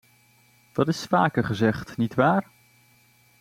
Dat is vaker gezegd, nietwaar?